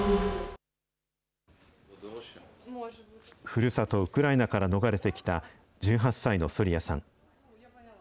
ふるさと、ウクライナから逃れてきた１８歳のソリヤさん。